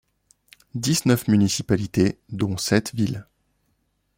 Dix-neuf municipalités, dont sept villes.